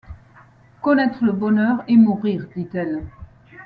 Connaître le bonheur et mourir, dit-elle.